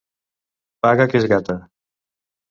Paga, que és gata!